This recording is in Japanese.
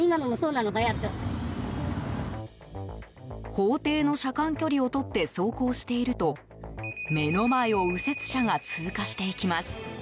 法定の車間距離をとって走行していると目の前を右折車が通過していきます。